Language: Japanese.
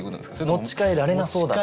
持ち帰られなそうだ。